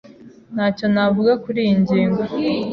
Ntacyo navuga kuriyi ngingo.